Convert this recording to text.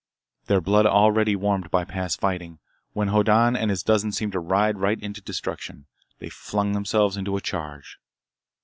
Their blood already warmed by past fighting, when Hoddan and his dozen seemed to ride right into destruction, they flung themselves into a charge.